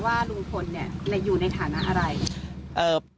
ว่าลุงพลอยู่ในฐานะอะไร